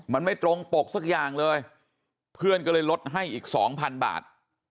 มันไม่ตรงปกสักอย่างเลยเพื่อนก็เลยลดให้อีกสองพันบาท